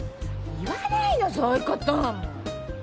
言わないのそういうこともう。